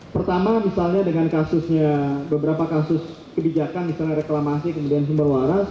pertama misalnya dengan kasusnya beberapa kasus kebijakan misalnya reklamasi kemudian sumber waras